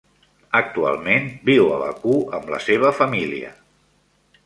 Actualment viu a Baku amb la seva família.